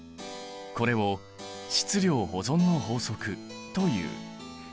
これを質量保存の法則という。